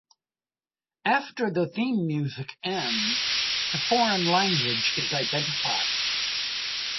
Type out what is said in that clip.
After the theme music ends, the foreign language is identified.